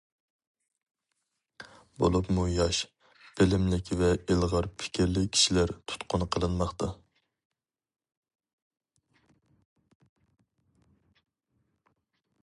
بولۇپمۇ ياش، بىلىملىك ۋە ئىلغار پىكىرلىك كىشىلەر تۇتقۇن قىلىنماقتا.